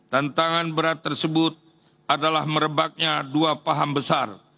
tantangan berat tersebut adalah merebaknya dua paham besar